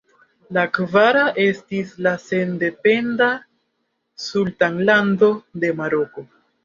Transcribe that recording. La kvara estis la sendependa Sultanlando de Maroko.